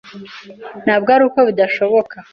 ntabwo aruko bidashoboka